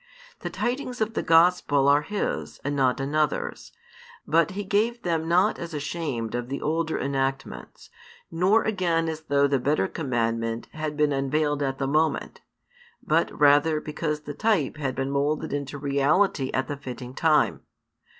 The tidings of the Gospel are His and not another's, but He gave them not as ashamed of the older enactments, nor again as though the better commandment had been unveiled at the moment; but rather because the type had been moulded into reality at the fitting time.